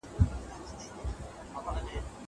هغه وويل چي واښه مهمه ده!